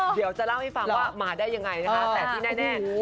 เดี๋ยวจะเล่าให้ฟังว่ามาได้ยังไงนะคะ